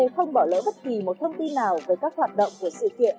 không bỏ lỡ bất kỳ một thông tin nào về các hoạt động của sự kiện